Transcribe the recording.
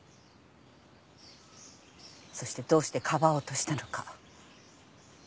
そしてどうしてかばおうとしたのか。